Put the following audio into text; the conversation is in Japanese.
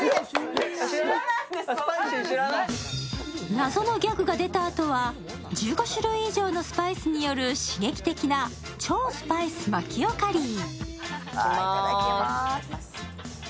謎のギャグが出たあとは、１５種類以上のスパイスによる刺激的な超スパイスマキオカリー。